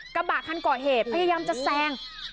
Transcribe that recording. กระบะคันก่อเหตุพยายามจะแซง